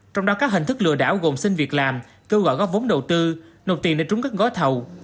trong đó các hình thức lừa đảo gồm xin việc làm kêu gọi góp vốn đầu tư nộp tiền để trúng các gói thầu